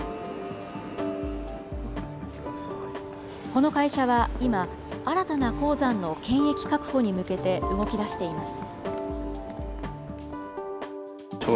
この会社は今、新たな鉱山の権益確保に向けて動き出しています。